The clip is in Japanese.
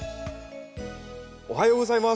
おはようございます。